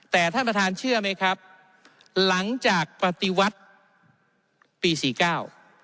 แต่ท่านประธานเชื่อไหมครับหลังจากปฏิวัติปีสี่เก้า